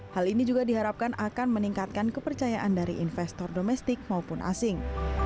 hal ini juga diharapkan akan meningkatkan kepercayaan dari investor domestik maupun asing